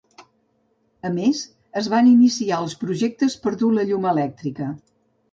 A més, es van iniciar els projectes per a dur la llum elèctrica.